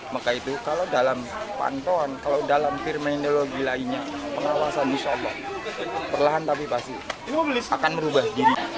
maka itu kalau dalam pantauan kalau dalam firminologi lainnya pengawasan insya allah perlahan tapi pasti akan merubah diri